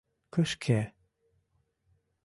кышке!